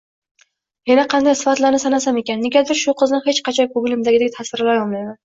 Yana qanday sifatlarini sanasam ekan?.. Negadir, shu qizni hech qachon koʻnglimdagidek tasvirlay olmayman.